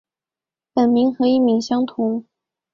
本名和艺名相同。